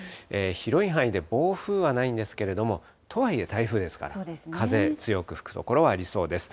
広い範囲で暴風はないんですけれども、とはいえ台風ですから、風、強く吹く所はありそうです。